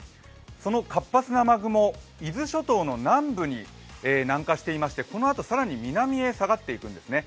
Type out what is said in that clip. その活発な雨雲、伊豆諸島の南部に南下していまして、このあと更に南にいくんですね。